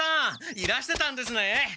いらしてたんですね。